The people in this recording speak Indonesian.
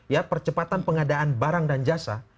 ya percepatan pengadaan barang dan jasa